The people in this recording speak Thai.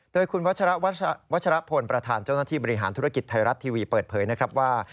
โดยคุณวัชระวัชรพลประธานเจ้าหน้าที่บริหารธุรกิจไทยรัฐทีวีเปิดเผยนะครับว่า